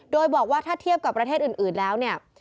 โดยบอกว่าถ้าเทียบกับประเทศอื่นแล้วเนี่ย